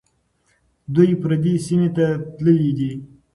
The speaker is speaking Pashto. دوی پردي سیمې ته تللي دي.